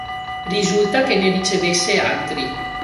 Risulta che ne ricevesse altri.